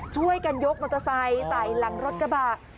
ช่วยกันยกมอเตอร์ไซค์ใส่หลังรถกระบะ